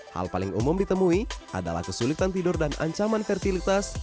hal paling umum ditemui adalah kesulitan tidur dan ancaman fertilitas